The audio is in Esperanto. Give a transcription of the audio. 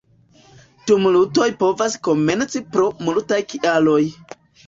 Tumultoj povas komenci pro multaj kialoj.